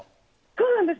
そうなんです。